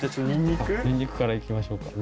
ニンニクからいきましょうか。